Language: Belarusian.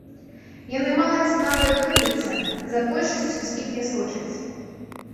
Яны мала цікавыя публіцы, за большасцю з іх не сочаць.